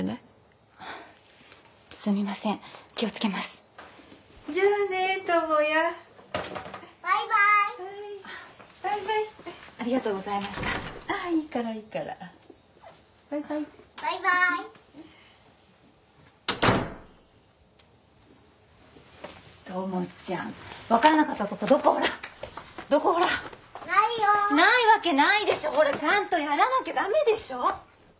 ないわけないでしょほらちゃんとやらなきゃ駄目でしょ。